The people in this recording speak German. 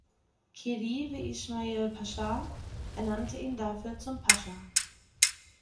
Khedive Ismail Pascha ernannte ihn dafür zum Pascha.